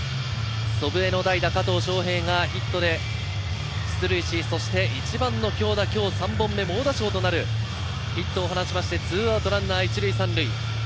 祖父江の代打、加藤翔平がヒットで出塁し、そして１番の京田、今日３本目の猛打賞となるヒットを放って、２アウトランナー１塁３塁。